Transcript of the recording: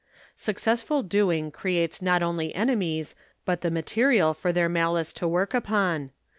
Successful doing creates not only enemies but the material for their malice to work upon.